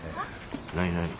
何何？